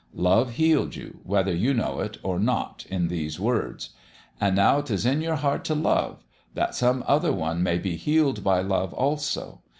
Love healed you, whether you know it or not in these words ; an' now 'tis in your heart t' love, that some other one may be healed by Love, also.